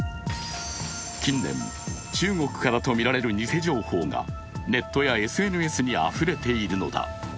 近年、中国からとみられる偽情報がネットやＳＮＳにあふれているのだ。